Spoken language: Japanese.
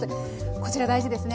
こちら大事ですね。